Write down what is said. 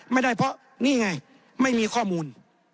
ไม่ได้เพราะนี่ไงไม่มีข้อมูล